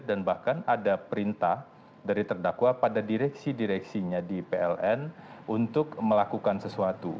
bahkan ada perintah dari terdakwa pada direksi direksinya di pln untuk melakukan sesuatu